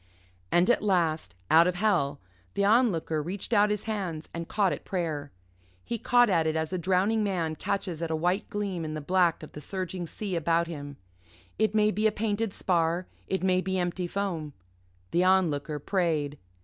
And at last, out of hell, the Onlooker reached out his hands and caught at prayer. He caught at it as a drowning man catches at a white gleam in the black of the surging sea about him it may be a painted spar, it may be empty foam. The Onlooker prayed.